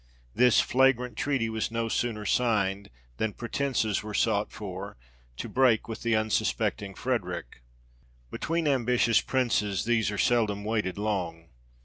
This flagrant treaty was no sooner signed, than pretences were sought 44 THE REIGN OF GEORGE VI. for, to break with the unsuspecting Frederic. Between ambitious Princes these are seldom wanted long.